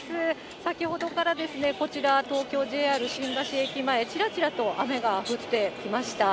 先ほどからこちら、東京・ＪＲ新橋駅前、ちらちらと雨が降ってきました。